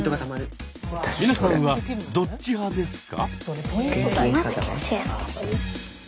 皆さんはどっち派ですか？